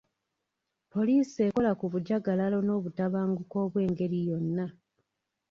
Poliisi ekola ku bujagalalo n'obutabanguko obw'engeri yonna.